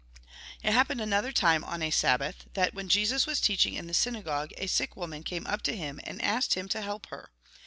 It happened another time, on a Sabbath, that, when Jesus was teaching in the synagogue, a sick woman came up to him and asked him to help her.